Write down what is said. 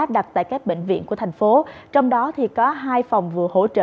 đặt tại các bệnh viện của thành phố trong đó có hai phòng vừa hỗ trợ